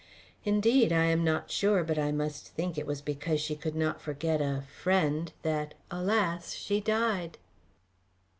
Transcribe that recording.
"Indeed, I am not sure, but I must think it was because she could not forget a friend that, alas! she died."